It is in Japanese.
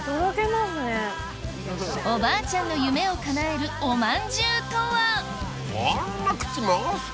おばあちゃんの夢をかなえるおまんじゅうとは？